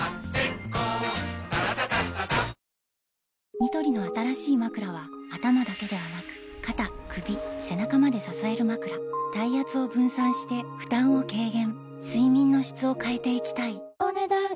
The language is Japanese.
ニトリの新しいまくらは頭だけではなく肩・首・背中まで支えるまくら体圧を分散して負担を軽減睡眠の質を変えていきたいお、ねだん以上。